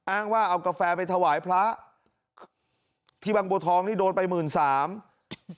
อ้างว่าเอากาแฟไปถวายพระที่บางบัวทองนี่โดนไปหมื่นสาม